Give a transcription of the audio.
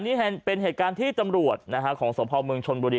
นี่เป็นเหตุการณ์ที่ตำรวจของสมภาวเมืองชนบุรี